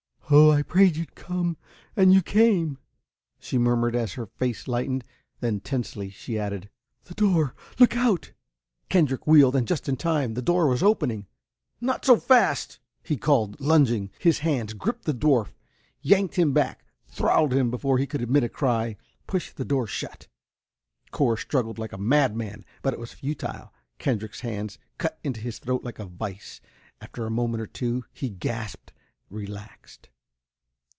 "Oh, I prayed so you'd come and you came!" she murmured as her face lighted. Then, tensely, she added, "The door look out!" Kendrick wheeled, and just in time. The door was opening. "Not so fast!" he called, lunging. His hands gripped the dwarf, yanked him back, throttled him before he could emit a cry, pushed the door shut. Cor struggled like a madman, but it was futile. Kendrick's hands cut into his throat like a vice. After a moment or two, he gasped, relaxed.